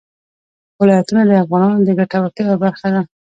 ولایتونه د افغانانو د ګټورتیا یوه برخه ده.